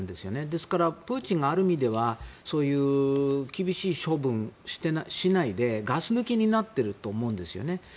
ですからプーチンがある意味ではそういう厳しい処分をしないでガス抜きになっていると思うんですよね。